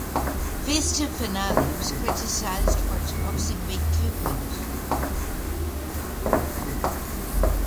Festive Finale was criticized for its Boxing Week coupon.